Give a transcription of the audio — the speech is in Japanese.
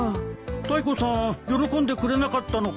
タイコさん喜んでくれなかったのかい？